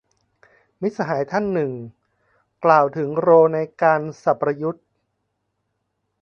มิตรสหายท่านหนึ่ง กล่าวถึงโรลในการ สับประยุทธ์